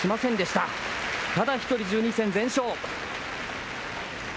ただ一人、１２戦全勝。